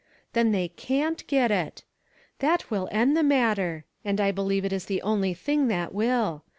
Then they can't get it. That will end the matter. And I believe it is the only thing that will.